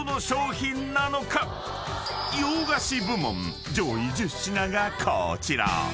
［洋菓子部門上位１０品がこちら］